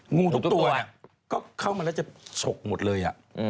งูทุกตัวเนี่ยก็เข้ามาแล้วจะฉกหมดเลย